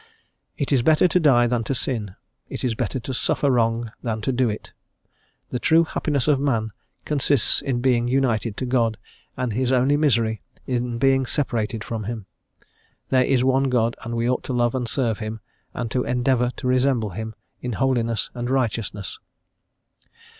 "It is better to die than to sin. It is better to suffer wrong than to do it. The true happiness of man consists in being united to God, and his only misery in being separated from Him. There is one God, and we ought to love and serve Him, and to endeavour to resemble Him in holiness and righteousness."